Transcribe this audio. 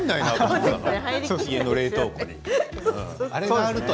うちの冷凍庫に。